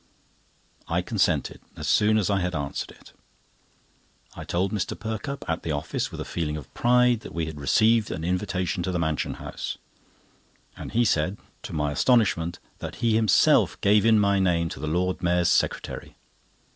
I consented, as soon as I had answered it. I told Mr. Perkupp, at the office, with a feeling of pride, that we had received an invitation to the Mansion House; and he said, to my astonishment, that he himself gave in my name to the Lord Mayor's secretary.